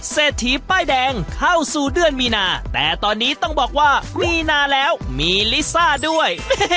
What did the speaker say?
เศรษฐีป้ายแดงเข้าสู่เดือนมีนาแต่ตอนนี้ต้องบอกว่ามีนาแล้วมีลิซ่าด้วย